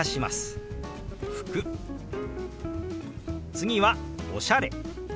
次は「おしゃれ」。